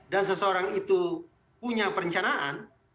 dan seseorang itu punya perencanaan